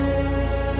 itu udah ga jauh kok